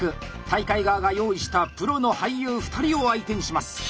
大会側が用意したプロの俳優２人を相手にします。